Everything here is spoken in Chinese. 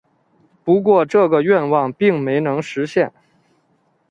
不过这个愿望并没能实现。